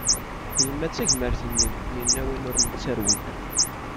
Yemma d tagmert-nni, yenna win ur nettarwen.